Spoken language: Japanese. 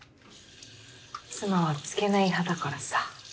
妻はつけない派だからさ。